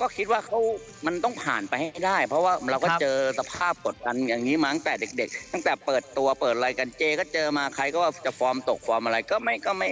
ก็คิดว่ามันต้องผ่านไปให้ได้เพราะว่าเราก็เจอสภาพกดดันอย่างนี้มาตั้งแต่เด็กตั้งแต่เปิดตัวเปิดอะไรกันเจก็เจอมาใครก็ว่าจะฟอร์มตกฟอร์มอะไรก็ไม่ก็ไม่